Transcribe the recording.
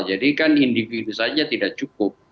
jadi kan individu saja tidak cukup